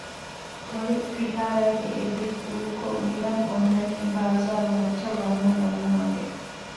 ހޮޅި ފިހާރައިގެ އެ ބިތް ދޫކޮށް އިރަށް އޮންނަނީ ބާޒާރުމައްޗަށް ވަންނަން އޮންނަ މަގެއް